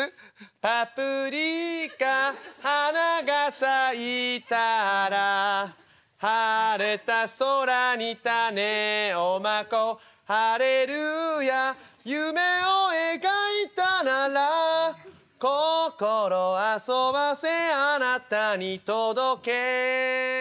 「パプリカ花が咲いたら晴れた空に種を蒔こう」「ハレルヤ夢を描いたなら心遊ばせあなたにとどけ」